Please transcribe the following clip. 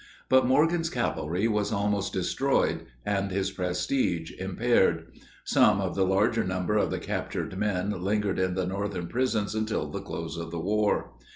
But Morgan's cavalry was almost destroyed, and his prestige impaired. Much the larger number of the captured men lingered in the Northern prisons until the close of the war.